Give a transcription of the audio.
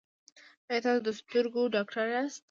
ایا تاسو د سترګو ډاکټر یاست؟